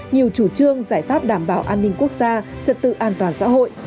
nhiều chủ trương giải pháp đảm bảo an ninh quốc gia trật tự an toàn xã hội